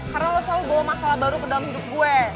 karena lo selalu bawa masalah baru ke dalam hidup gue